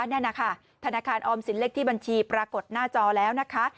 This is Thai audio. นั่นนะคะธนาคารออมสินเลขที่บัญชีปรากฏหน้าจอแล้วนะคะ